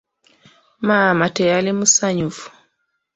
Maama teyali musanyufu.